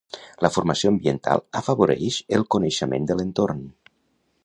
La formació ambiental afavoreix el coneixement de l'entorn.